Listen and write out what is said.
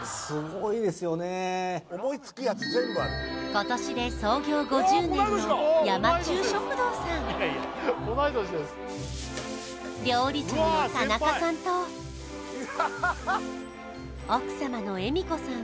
今年で創業５０年の山中食堂さん料理長の田中さんと奥様の恵美子さん